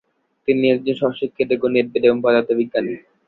তিনি একজন স্ব-শিক্ষিত গণিতবিদ এবং পদার্থবিজ্ঞানী।